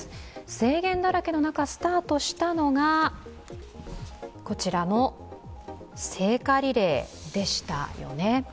制限だらけの中スタートしたのがこちらの聖火リレーでしたよね。